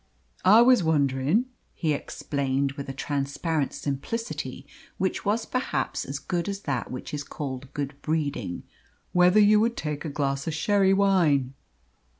"I was wondering," he explained, with a transparent simplicity which was perhaps as good as that which is called good breeding, "whether you would take a glass of sherry wine."